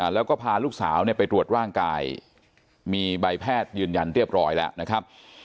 แล้วก็พาลูกสาวไปตรวจร่างกายมีใบแพทย์ยืนยันเรียบร้อยแล้วนะครับ